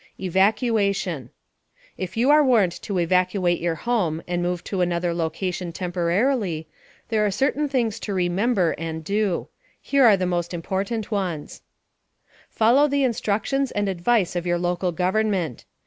EVACUATION If you are warned to evacuate your home and move to another location temporarily, there are certain things to remember and do. Here are the most important ones: * FOLLOW THE INSTRUCTIONS AND ADVICE OF YOUR LOCAL GOVERNMENT.